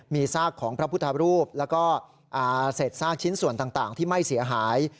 มีซากของพระพุทธรูปแล้วก็เศษซากชิ้นส่วนต่างที่ไม่เสียหาย